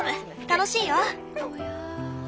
楽しいよ。